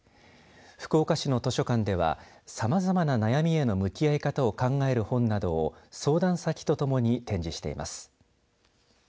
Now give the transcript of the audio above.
福岡市の図書館ではさまざまな悩みへの向き合い方を考える本などを相談先とともに展示しています。